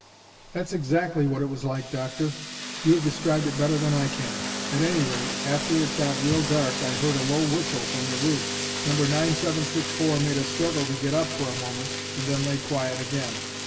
"That's exactly what it was like, Doctor; you have described it better than I can. At any rate, after it got real dark I heard a low whistle from the roof. No. 9764 made a struggle to get up for a moment and then lay quiet again.